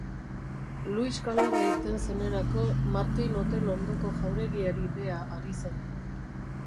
Luis kalera irten zenerako Martin hotel ondoko jauregiari beha ari zen.